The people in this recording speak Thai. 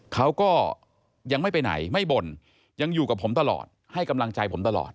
เขาก็ยังไม่ไปไหนไม่บ่นยังอยู่กับผมตลอดให้กำลังใจผมตลอด